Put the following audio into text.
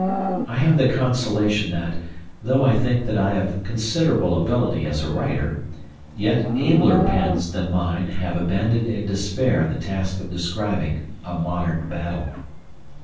I have the consolation that, though I think that I have considerable ability as a writer, yet abler pens than mine have abandoned in despair the task of describing a modern battle.